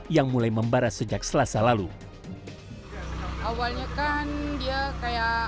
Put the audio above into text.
yang mulai memeluk